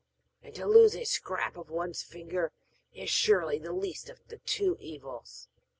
And to lose a scrap of one's finger is surely the least of the two evils.'